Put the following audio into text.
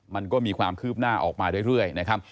มันก็มีความคืบหน้าออกมาเรื่อยนะครับ